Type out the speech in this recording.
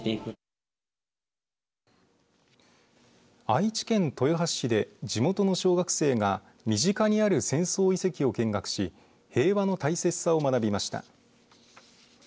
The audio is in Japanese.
愛知県豊橋市で地元の小学生が身近にある戦争遺跡を見学し平和の大切さを学びました。